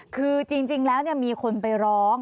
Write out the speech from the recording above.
คือจริงและเนี่ยมีคนไปร้อง